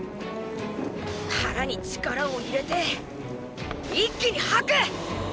腹に力を入れて一気に吐く！